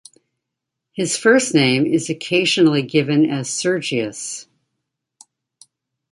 His first name is occasionally given as "Sergius".